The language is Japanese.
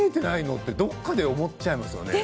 ってどこかで思っちゃいますよね。